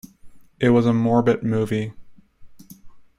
It was a morbid movie.